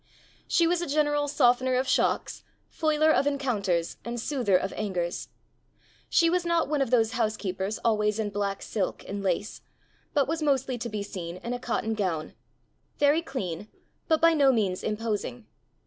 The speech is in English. She was a general softener of shocks, foiler of encounters, and soother of angers. She was not one of those housekeepers always in black silk and lace, but was mostly to be seen in a cotton gown very clean, but by no means imposing.